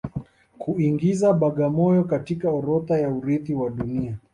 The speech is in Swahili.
Kuingiza Bagamoyo katika orodha ya urithi wa Dunia